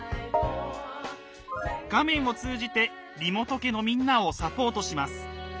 画面を通じて梨本家のみんなをサポートします。